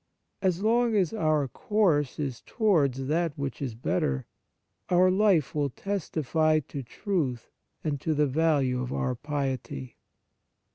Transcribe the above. As long as our course is toward that which is better, our life will testify to truth and to the value of our piety.